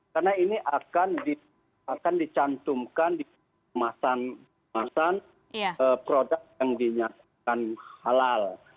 karena ini akan dicantumkan di masan masan produk yang dinyatakan halal